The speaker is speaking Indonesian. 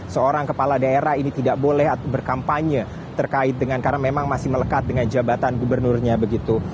seorang kepala daerah ini tidak boleh berkampanye terkait dengan karena memang masih melekat dengan jabatan gubernurnya begitu